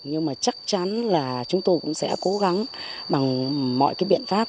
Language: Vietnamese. nhưng mà chắc chắn là chúng tôi cũng sẽ cố gắng bằng mọi cái biện pháp